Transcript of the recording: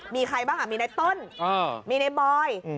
มีใครบ้างอ่ะมีในต้นอ่ามีในบอยอืม